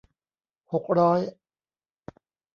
หกร้อย